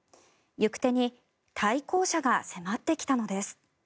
行く手に対向車が迫ってきたのです。